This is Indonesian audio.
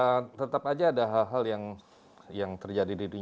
karena kan tetap aja ada hal hal yang harus disesuaikan disini gitu kan